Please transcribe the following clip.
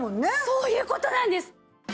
そういう事なんです。